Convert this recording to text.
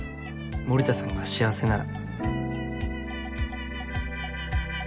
森田さんが幸せなら。